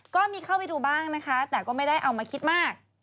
ก็มีเข้าไปดูบ้างนะคะแต่ก็ไม่ได้เอามาคิดมาก